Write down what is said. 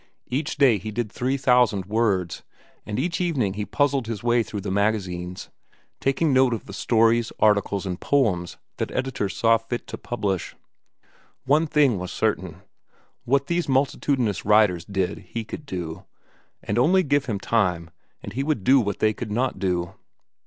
Each day he did three thousand words, and each evening he puzzled his way through the magazines, taking note of the stories, articles, and poems that editors saw fit to publish. One thing was certain: What these multitudinous writers did he could do, and only give him time and he would do what they could not do.